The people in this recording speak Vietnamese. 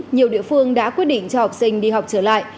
nhiều địa phương đã quyết định cho học sinh đi học trở lại